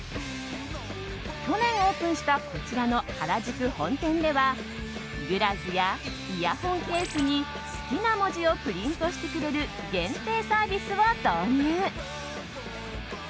去年オープンしたこちらの原宿本店ではグラスやイヤホンケースに好きな文字をプリントしてくれる限定サービスを投入。